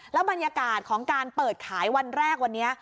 บรรยากาศของการเปิดขายวันแรกวันนี้